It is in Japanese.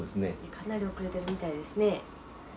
かなり遅れてるみたいですね。